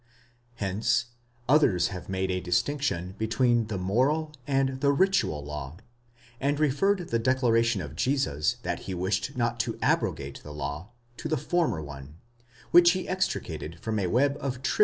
Hence others have made a distinction between the moral and the ritual law, and referred the declaration of Jesus that he wished not to abrogate the law, to the former alone, which he extricated from a web of trivial cere 5 Especially Fritzsche, in Matt.